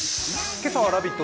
今朝は「ラヴィット！」